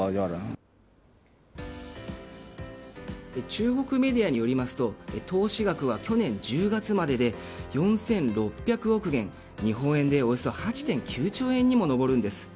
中国メディアによると投資額は去年１０月までで４６００億元、日本円でおよそ８．９兆円にまで上ります。